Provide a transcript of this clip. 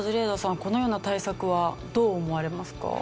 このような対策はどう思われますか？